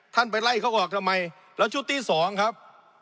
ไปไล่เขาออกทำไมแล้วชุดที่สองครับ